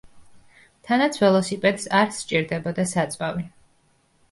თანაც ველოსიპედს არ სჭირდებოდა საწვავი.